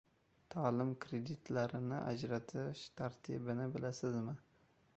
Ta’lim kreditlarini ajratish tartibini bilasizmi?